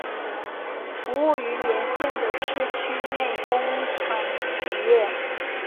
服务于沿线的市区内工厂企业。